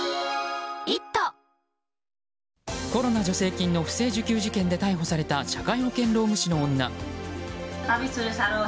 コロナ助成金の不正受給事件で逮捕された社会保険労務士の女。